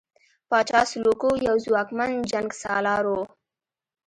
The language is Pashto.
پاچا سلوکو یو ځواکمن جنګسالار وو.